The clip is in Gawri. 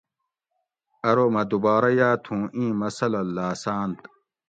اۤرو مہ دوبارہ یا تھوں اِیں مسلہ لاۤسانت